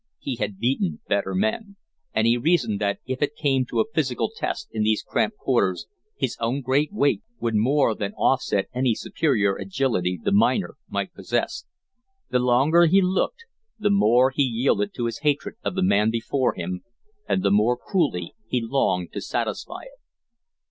He had beaten better men, and he reasoned that if it came to a physical test in these cramped quarters his own great weight would more than offset any superior agility the miner might possess. The longer he looked the more he yielded to his hatred of the man before him, and the more cruelly he longed to satisfy it.